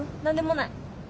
何でもない。